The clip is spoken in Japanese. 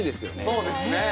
そうですね